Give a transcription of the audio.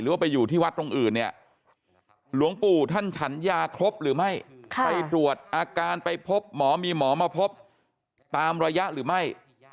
ว่าไปอยู่ที่วัดตรงอื่นเนี่ยหลวงปู่ท่านฉันยาครบหรือไม่ไปตรวจอาการไปพบหมอมีหมอมาพบตามระยะหรือไม่